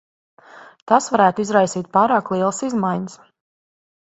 Tas varētu izraisīt pārāk lielas izmaiņas.